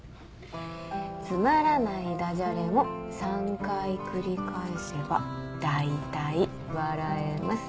「つまらないダジャレも３回繰り返せば大体笑えます」。